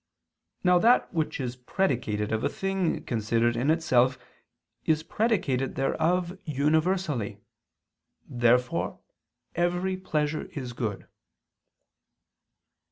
Now that which is predicated of a thing considered in itself, is predicated thereof universally. Therefore every pleasure is good.